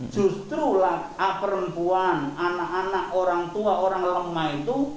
justru perempuan anak anak orang tua orang lengah itu